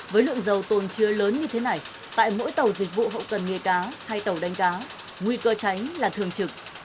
với lượng dầu tồn chứa lớn như thế này tại mỗi tàu dịch vụ hậu cần nghề cá hay tàu đánh cá nguy cơ cháy là thường trực